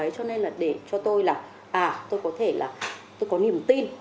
cho nên là để cho tôi là tôi có niềm tin